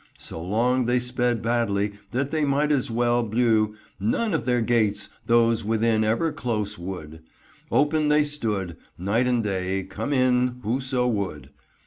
So long they sped badly that they might as well bliue {272a} None of their gates those within ever close would. Open they stood, night and day, come in whoso would.